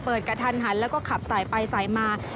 กระทันหันแล้วก็ขับสายไปสายมา